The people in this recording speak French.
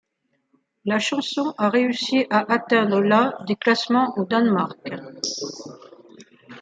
La chanson a réussi à atteindre la des classements au Danemark.